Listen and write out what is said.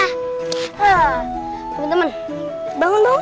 haa temen temen bangun bangun